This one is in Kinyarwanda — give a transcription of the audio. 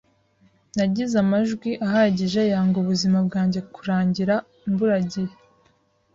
Nagize amajwi ahagije yanga ubuzima bwanjye kurangira imburagihe